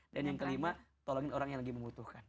dan yang kelima tolongin orang yang lagi membutuhkan